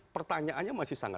pertanyaannya masih dianggap